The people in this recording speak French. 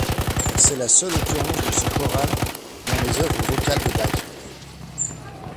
C'est la seule occurrence de ce choral dans les œuvres vocales de Bach.